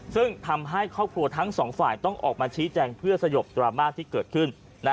ซึ่งทำให้ครอบครัวทั้งสองฝ่ายต้องออกมาชี้แจงเพื่อสยบดราม่าที่เกิดขึ้น